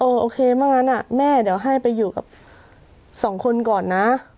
โอเคเมื่องั้นแม่เดี๋ยวให้ไปอยู่กับสองคนก่อนนะ